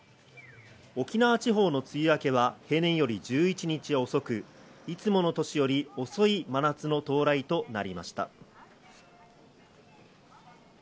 沖縄地方の梅雨明けは平年より１１日遅く、いつもの年より遅い真夏の到来となりました。